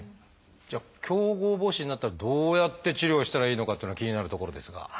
じゃあ強剛母趾になったらどうやって治療したらいいのかというのは気になるところですが。